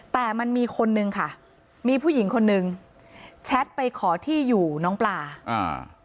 แต่มันมีคนนึงค่ะมีผู้หญิงคนนึงแชทไปขอที่อยู่น้องปลาอ่า